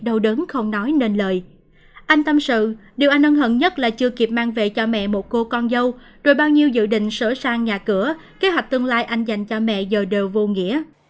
anh tâm sự điều anh ân hận nhất là chưa kịp mang về cho mẹ một cô con dâu rồi bao nhiêu dự định sửa sang nhà cửa kế hoạch tương lai anh dành cho mẹ giờ đều vô nghĩa